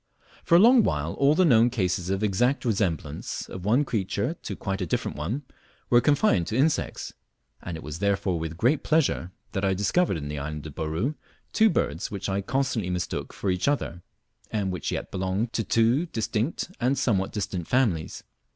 For a long time all the known cases of exact resemblance of one creature to quite a different one were confined to insects, and it was therefore with great pleasure that I discovered in the island of Bouru two birds which I constantly mistook for each other, and which yet belonged to two distinct and somewhat distant families.